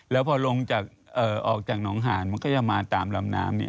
แล้วพอลงออกจากหนองหานมันก็จะมาตามลำน้ำ